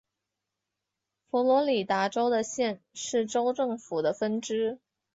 佛罗里达州的县是州政府的分支。